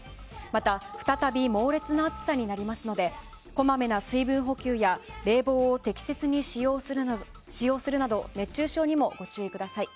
また再び猛烈な暑さになりますのでこまめな水分補給や冷房を適切に使用するなど熱中症にもご注意ください。